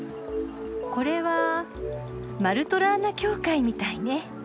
これは「マルトラーナ教会」みたいね。